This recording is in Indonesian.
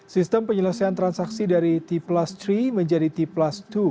sistem penyelesaian transaksi dari t plus tiga menjadi t plus dua